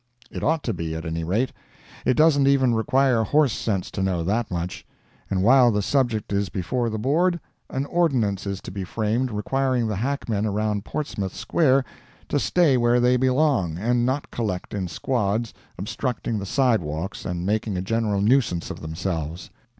It ought to be, at any rate. It doesn't even require horse sense to know that much. And while the subject is before the Board, an ordinance is to be framed requiring the hackmen around Portsmouth Square to stay where they belong, and not collect in squads, obstructing the sidewalks, and making a general nuisance of themselves.